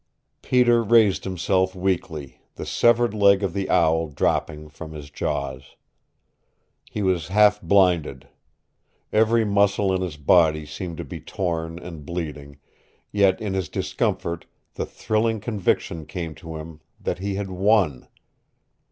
Peter raised himself weakly, the severed leg of the owl dropping from his jaws. He was half blinded. Every muscle in his body seemed to be torn and bleeding, yet in his discomfort the thrilling conviction came to him that he had won.